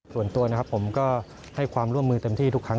ส่วนตัวนะครับผมก็ให้ความร่วมมือเต็มที่ทุกครั้ง